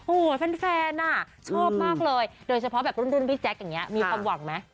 โอ้โหแฟนอ่ะชอบมากเลยโดยเฉพาะแบบรุ่นพี่แจ๊คอย่างนี้มีความหวังไหม